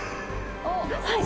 はい！